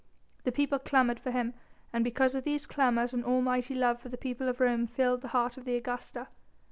The people clamoured for him, and because of these clamours an almighty love for the people of Rome filled the heart of the Augusta.